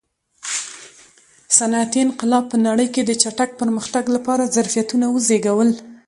صنعتي انقلاب په نړۍ کې د چټک پرمختګ لپاره ظرفیتونه وزېږول.